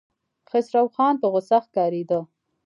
خسروخان په غوسه ښکارېده.